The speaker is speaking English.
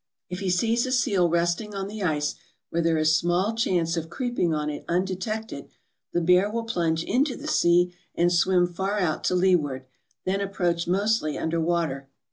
" If he sees a seal resting on the ice where there is small chance of creeping on it undetected, the bear will plunge into the sea and swim far out to leeward, then approach mostly under water.